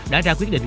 đã ra quyết định